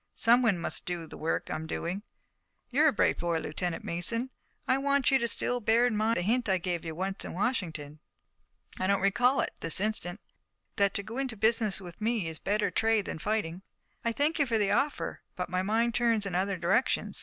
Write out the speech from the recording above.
Someone must do the work I am doing. You're a bright boy, Lieutenant Mason, and I want you still to bear in mind the hint that I gave you once in Washington." "I don't recall it, this instant." "That to go into business with me is a better trade than fighting." "I thank you for the offer, but my mind turns in other directions.